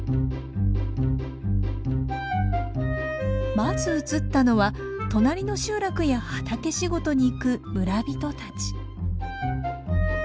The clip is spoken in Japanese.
まず映ったのは隣の集落や畑仕事に行く村人たち。